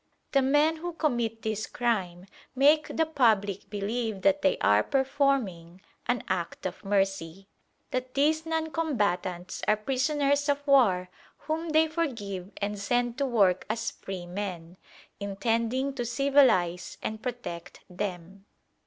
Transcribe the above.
The men who commit this crime make the public believe that they are performing an act of mercy, that these non combatants are prisoners of war whom they forgive and send to work as free men, intending to civilise and protect them.